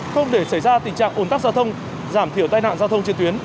không để xảy ra tình trạng ồn tắc giao thông giảm thiểu tai nạn giao thông trên tuyến